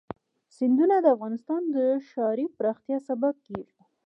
سیندونه د افغانستان د ښاري پراختیا سبب کېږي.